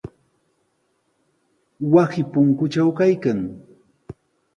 Wasi punkutraw kaykan.